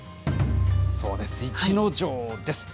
そうです、逸ノ城です。